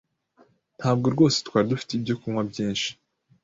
Ntabwo rwose twari dufite ibyo kunywa byinshi.